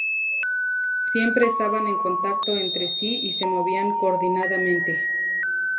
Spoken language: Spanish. Siempre estaban en contacto entre sí y se movían coordinadamente.